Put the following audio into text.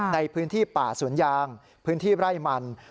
ในพื้นที่ป่าสวนยางพื้นที่ไร่มัน